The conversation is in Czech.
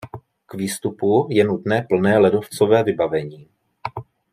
K výstupu je nutné plné ledovcové vybavení.